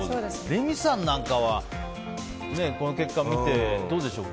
レミさんなんかは結果見てどうでしょう。